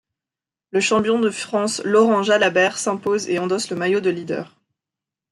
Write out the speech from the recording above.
Le Champion de France Laurent Jalabert s'impose et endosse le maillot de leader.